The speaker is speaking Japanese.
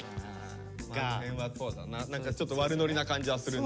ちょっと悪ノリな感じはするな。